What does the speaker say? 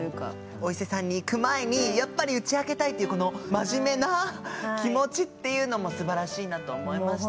お伊勢さんに行く前にやっぱり打ち明けたいっていうこの真面目な気持ちっていうのもすばらしいなと思いましたし。